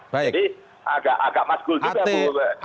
jadi agak maskul juga bu